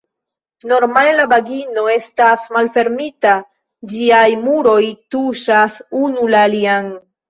Normale la vagino estas malfermita, ĝiaj muroj tuŝas unu la alian.